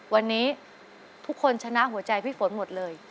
วันนี้ทุกคนชนะหัวใจพี่ฝนหมดเลย